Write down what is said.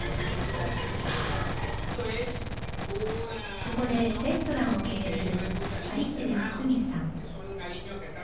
ここでレストランを経営するアリスティデス・スミスさん。